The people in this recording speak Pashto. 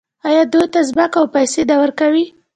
آیا دوی ته ځمکه او پیسې نه ورکوي؟